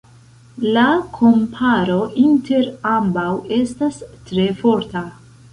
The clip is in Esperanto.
La komparo inter ambaŭ estas tre forta.